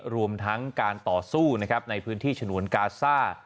รวมทั้งการต่อสู้ในพื้นที่ฉนวนกาซ่า